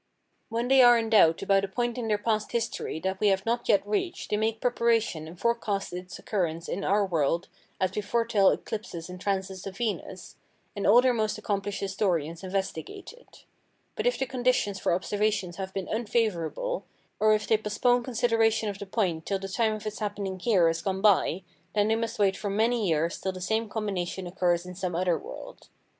When they are in doubt about a point in their past history that we have not yet reached they make preparation and forecast its occurrence in our world as we foretell eclipses and transits of Venus, and all their most accomplished historians investigate it; but if the conditions for observation have been unfavourable, or if they postpone consideration of the point till the time of its happening here has gone by, then they must wait for many years till the same combination occurs in some other world.